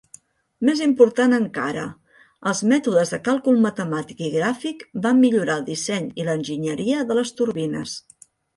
Més important encara, els mètodes de càlcul matemàtic i gràfic van millorar el disseny i l'enginyeria de les turbines.